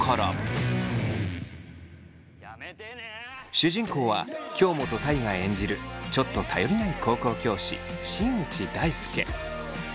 主人公は京本大我演じるちょっと頼りない高校教師新内大輔。